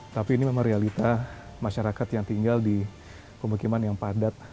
tapi ini memang realita masyarakat yang tinggal di pemukiman yang padat